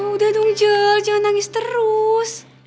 udah dong jel jangan nangis terus